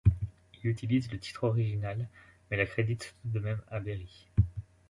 Ils utilisent le titre original mais la crédite tout de même à Berry.